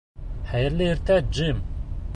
Хәйерле иртә, Джим!